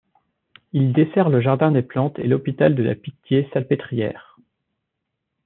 Il dessert le Jardin des plantes et l'hôpital de la Pitié-Salpêtrière.